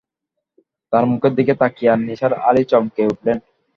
তার মুখের দিকে তাকিয়ে নিসার আলি চমকে উঠলেন।